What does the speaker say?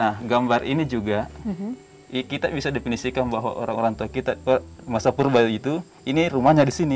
nah gambar ini juga kita bisa definisikan bahwa orang orang tua kita masa purbali itu ini rumahnya di sini